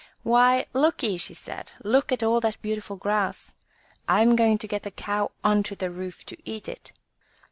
"Why, lookye," she said, "look at all that beautiful grass. Tm going to get the cow on to the roof to eat it.